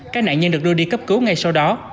các nạn nhân được đưa đi cấp cứu ngay sau đó